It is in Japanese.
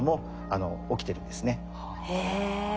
へえ。